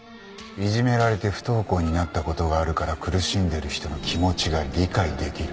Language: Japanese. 「いじめられて不登校になったことがあるから苦しんでる人の気持ちが理解できる」